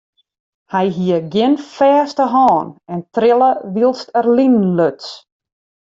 Hy hie gjin fêste hân en trille wylst er linen luts.